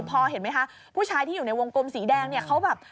พอเห็นไหมคะผู้ชายที่อยู่ในวงกลมสีแดงเนี่ยเขาแบบ